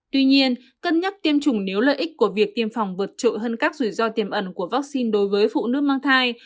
tuy nhiên cân nhắc tiêm chủng nếu lợi ích của việc tiêm phòng vượt trội hơn các rủi ro tiềm ẩn của vaccine đối với phụ nữ mang thai